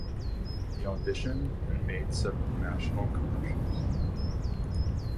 He auditioned and made several national commercials.